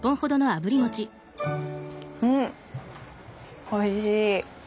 うんおいしい。